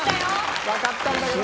わかったんだけどな。